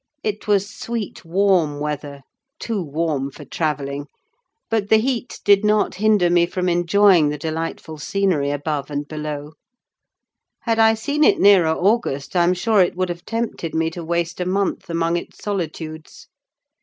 It was sweet, warm weather—too warm for travelling; but the heat did not hinder me from enjoying the delightful scenery above and below: had I seen it nearer August, I'm sure it would have tempted me to waste a month among its solitudes.